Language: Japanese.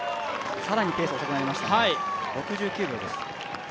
さらにペースが遅くなりましたね、６９秒です。